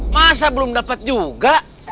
masa belum dapat juga